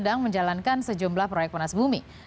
dan juga menjalankan sejumlah proyek panas bumi